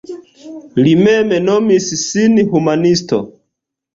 Li mem nomis sin humanisto.